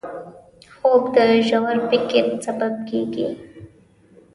خوب د ژور فکر سبب کېږي